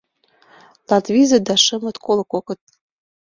Латвизыт да шымыт — коло кокыт.